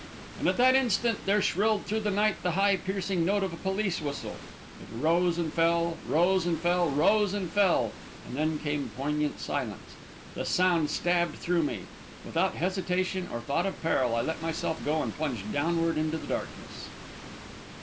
And at that instant, there shrilled through the night the high, piercing note of a police whistle. It rose and fell, rose and fell, rose and fell; and then came poignant silence. The sound stabbed through me. Without hesitation or thought of peril, I let myself go and plunged downward into the darkness.